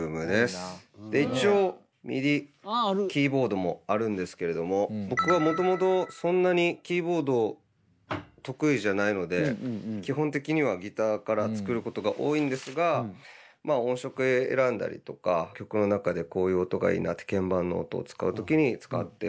一応ＭＩＤＩキーボードもあるんですけれども僕はもともとそんなにキーボード得意じゃないので基本的にはギターから作ることが多いんですがまあ音色選んだりとか曲の中でこういう音がいいなって鍵盤の音を使う時に使っております。